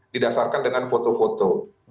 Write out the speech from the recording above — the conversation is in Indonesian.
didasarkan dengan foto foto